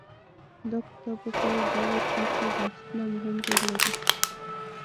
دا کتاب به په ډاګه کړي چې بنسټونه مهم رول لري.